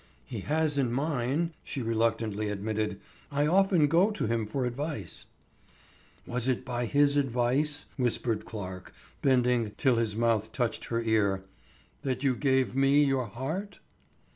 "He has in mine," she reluctantly admitted. "I often go to him for advice." "Was it by his advice," whispered Clarke, bending till his mouth touched her ear, "that you gave me your heart?"